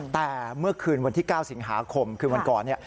แต่เมื่อคืนวันที่๙สิงหาคมคือวันก่อนเนี่ย